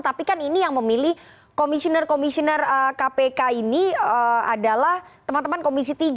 tapi kan ini yang memilih komisioner komisioner kpk ini adalah teman teman komisi tiga